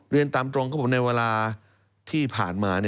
เรียนตามตรงเขาบอกในเวลาที่ผ่านมา